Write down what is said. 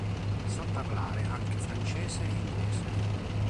Sa parlare anche francese e inglese.